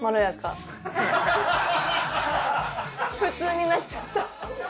普通になっちゃった。